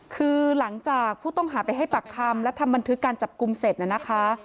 คือหลังจากผู้ต้องหาไปให้ปากคำและทำบันทึกการจับกลุ่มเสร็จนะคะ